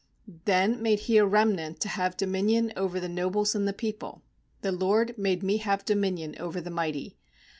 13Then made He a remnant to have dominion over the nobles and the people; The LORD made me have dominion over the mighty.